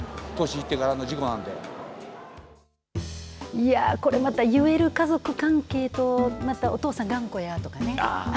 いや、これまた言える家族関係とまた、お父さん頑固やとかね。